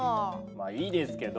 まあいいですけど。